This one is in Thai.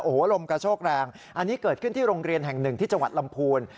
โอ้โหลมกระโชกแรงอันนี้เกิดขึ้นที่โรงเรียนแห่งหนึ่งที่จังหวัดลำพูน